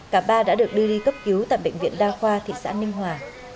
cả ba đã được đưa đi cấp cứu tại bệnh viện đa khoa thị xã ninh hòa